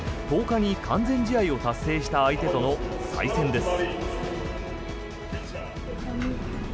１０日に完全試合を達成した相手との再戦です。